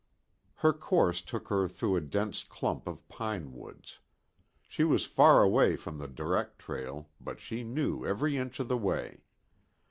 Her course took her through a dense clump of pine woods. She was far away from the direct trail, but she knew every inch of the way.